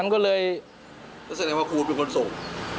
ก็เลยก็แสดงว่าครูเป็นคนส่ง